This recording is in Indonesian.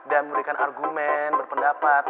dan memberikan argumen berpendapat